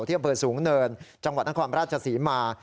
ที่เปิดสูงเนินจังหวัดนครราชสีมา